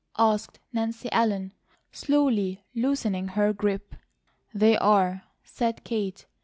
asked Nancy Ellen, slowly loosening her grip. "They are," said Kate.